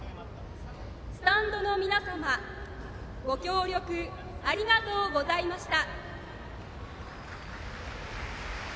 スタンドの皆様ご協力ありがとうございました。